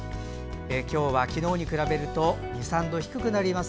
今日は昨日に比べると２３度低くなります。